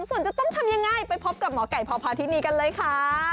ส่วนจะต้องทำยังไงไปพบกับหมอไก่พพาธินีกันเลยค่ะ